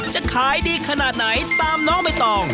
จะขายดีขนาดไหนตามน้องใบตอง